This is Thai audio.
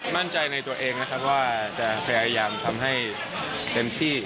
มั่นใจในตัวเองนะครับว่าจะพยายามทำให้เต็มที่